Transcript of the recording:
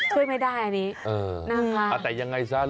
ช่วยไม่ได้อันนี้